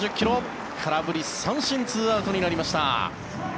空振り三振２アウトになりました。